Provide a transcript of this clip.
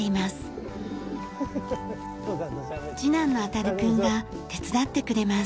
次男の暖琉君が手伝ってくれます。